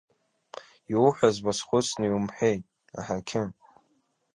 Иуҳәаз уазхәыцны иумҳәеит, аҳақьым.